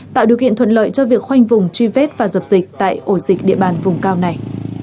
tạo điều kiện thuận lợi cho việc khoanh vùng truy vết và dập dịch tại ổ dịch địa bàn vùng cao này